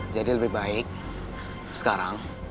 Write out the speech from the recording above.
jadi lebih baik sekarang